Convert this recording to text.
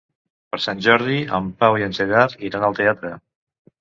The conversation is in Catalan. Per Sant Jordi en Pau i en Gerard iran al teatre.